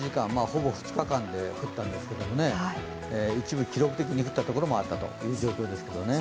ほぼ２日間で降ったんですけれども一部、記録的に降った所もあったということです。